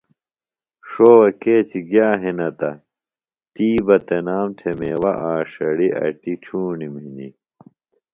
ݜوہ کیچیۡ گِیہ ہِنہ تہ تی بہ تنام تھے میوہ، آڇھڑیۡ اٹی ڇھوݨم ہِنیۡ